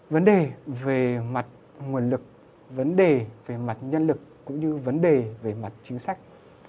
vấn đề về mặt nguồn lực vấn đề về mặt nhân lực cũng như vấn đề về mặt chính sách